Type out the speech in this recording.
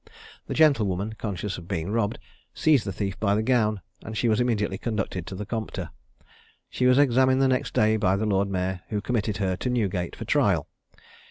The gentlewoman, conscious of being robbed, seized the thief by the gown, and she was immediately conducted to the Compter. She was examined the next day by the lord mayor, who committed her to Newgate for trial.